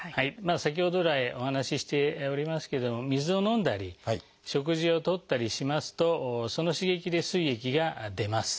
先ほど来お話ししておりますけれども水を飲んだり食事をとったりしますとその刺激ですい液が出ます。